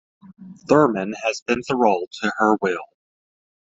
Thurman has bent the role to her will.